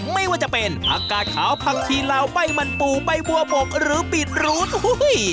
ไม่ว่าจะเป็นอากาศขาวผักทีเหล่าใบมันปูใบบัวบกหรือปีดหลูนฮุ้ย